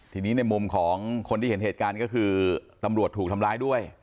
ทีนี้ในมุมของคนที่เห็นเหตุการณ์ก็คือตำรวจถูกทำร้ายด้วย